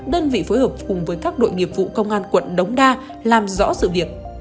đơn vị phối hợp cùng với các đội nghiệp vụ công an quận đống đa làm rõ sự việc